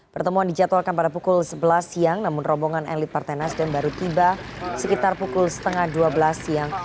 pertemuan dijadwalkan pada pukul sebelas siang namun rombongan elit partai nasdem baru tiba sekitar pukul setengah dua belas siang